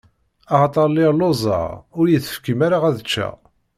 Axaṭer lliɣ lluẓeɣ, ur yi-tefkim ara ad ččeɣ.